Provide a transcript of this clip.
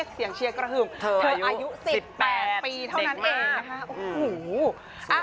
เสียงเชียร์กระหึบเธออายุ๑๘ปีเท่านั้นเองนะคะโอ้โห